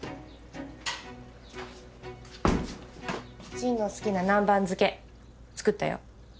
ジンの好きな南蛮漬け作ったよ。